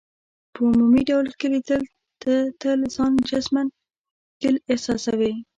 په عمومي ډول ښکیلېدل، ته تل ځان جسماً ښکېل احساسوې.